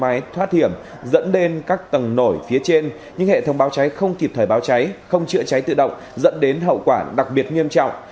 máy thoát hiểm dẫn đến các tầng nổi phía trên nhưng hệ thống báo cháy không kịp thời báo cháy không chữa cháy tự động dẫn đến hậu quả đặc biệt nghiêm trọng